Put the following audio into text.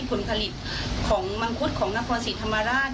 ควรพลิตของมังคุดของนครศิษย์ธรรมราช